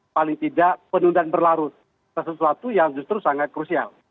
paling tidak penundaan berlarut sesuatu yang justru sangat krusial